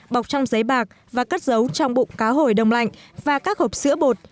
bọc trong giấy bạc và cất giấu trong bụng cá hồi đông lạnh và các hộp sữa bột